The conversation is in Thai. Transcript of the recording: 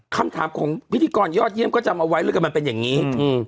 คำถามของพิธีกรยอดเยี่ยมก็จำเอาไว้แล้วกันมันเป็นอย่างนี้